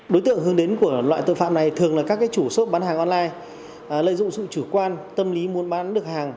đối tượng hướng đến của loại tội phạm này thường là các chủ shp bán hàng online lợi dụng sự chủ quan tâm lý muốn bán được hàng